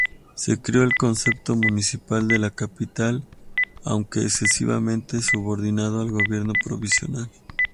Se creó el Concejo Municipal de la capital, aunque excesivamente subordinado al gobierno provincial.